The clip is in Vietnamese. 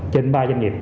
trên ba doanh nghiệp